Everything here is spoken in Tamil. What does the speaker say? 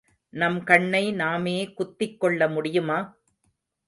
நம் கண்ணை நாமே குத்திக் கொள்ள முடியுமா?